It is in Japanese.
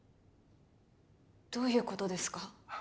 どういうことですか？